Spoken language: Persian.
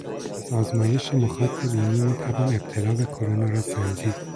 از آزمایش مخاط بینی میتوان ابتلا به کرونا را سنجید